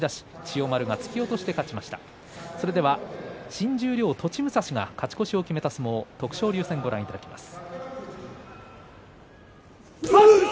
新十両、栃武蔵が勝ち越しを決めた相撲徳勝龍戦をご覧いただきます。